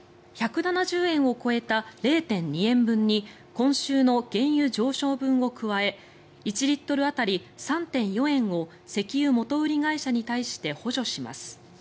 １７０円を超えた０．２円分に今週の原油上昇分を加え１リットル当たり３．４円を石油元売り会社に対して補助します。